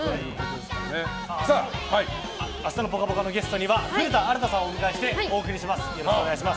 明日の「ぽかぽか」のゲストは古田新太さんをお迎えしてお送りします。